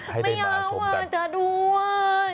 ไม่เอาอะอย่างง้อยจะดูอ่ะอ่ะ